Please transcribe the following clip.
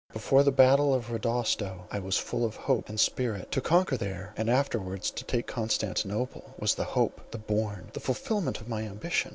Before the battle of Rodosto I was full of hope and spirit; to conquer there, and afterwards to take Constantinople, was the hope, the bourne, the fulfilment of my ambition.